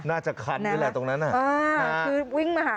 น่าจะคันด้วยแหละตรงนั้นอ่ะอ่าคือวิ่งมาค่ะ